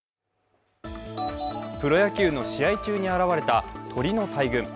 プロ野球の試合中に現れた鳥の大群。